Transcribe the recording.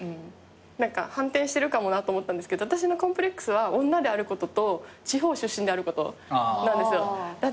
何か反転してるかもなと思ったんですけど私のコンプレックスは女であることと地方出身であることなんですよ。